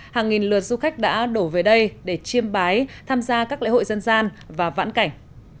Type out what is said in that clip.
hàng nghìn lượt du khách đã đổ về đây để chiêm bái tham gia các lễ hội dân gian và vãn cảnh